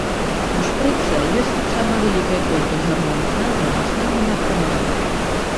У шпрыца ёсць таксама вялікая колькасць жаргонных назваў на слэнгу наркаманаў.